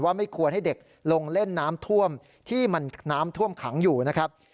ไม่ควรให้เด็กลงเล่นน้ำท่วมที่มันน้ำท่วมขังอยู่นะครับ